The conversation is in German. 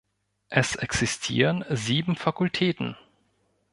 Es existieren sieben Fakultäten.